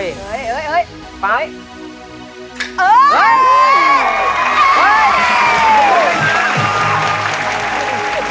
หน้าเสียงแบบเปลี่ยนอีกที